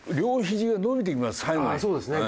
あっそうですね。